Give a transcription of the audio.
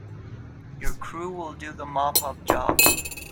Your crew will do the mop up job.